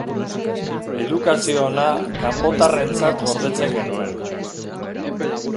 Edukazio ona kanpotarrentzat gordetzen genuen.